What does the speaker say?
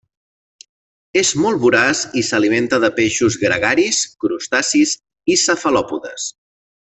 És molt voraç i s'alimenta de peixos gregaris, crustacis i cefalòpodes.